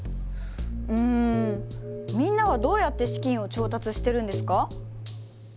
うんみんなはどうやって資金を調達してるんですか？